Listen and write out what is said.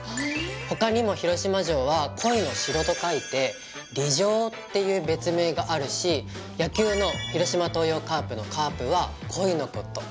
他にも広島城は「鯉の城」と書いて「鯉城」っていう別名があるし野球の広島東洋カープの「カープ」は「コイ」のこと。